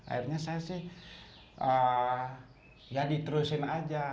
akhirnya saya sih ya diterusin aja